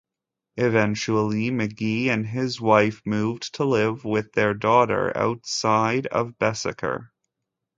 Eventually, McGee and his wife moved to live with their daughter outside of Beiseker.